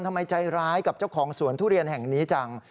ทำไมใจร้ายกับเจ้าของสวนทุเรียนแห่งนี้จัง